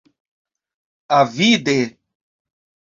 Avide.